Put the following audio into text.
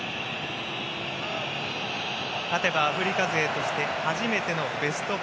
勝てばアフリカ勢初として初めてのベスト４。